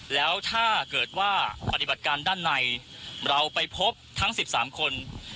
แล้วถ้าเกิดว่าปฏิบัติการด้านในเราไปพบทั้ง๑๓คน